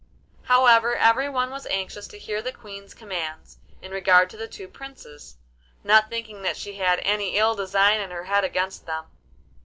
However, everyone was anxious to hear the Queen's commands in regard to the two Princes, not thinking that she had any ill design in her head against them.